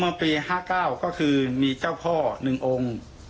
เมื่อปี๕๙ก็คือมีเจ้าพ่อ๑องค์